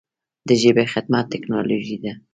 د ژبې خدمت ټکنالوژي ده.